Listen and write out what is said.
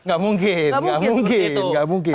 gak mungkin gak mungkin